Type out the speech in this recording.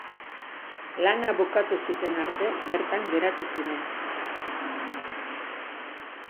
Lana bukatu zuten arte bertan geratu ziren.